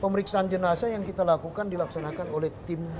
pemeriksaan jenazah yang kita lakukan dilaksanakan oleh tim